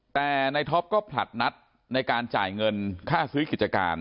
แต่นายท็อปก็ผลัดนัดในการจ่ายเงินค่าซื้อกิจการ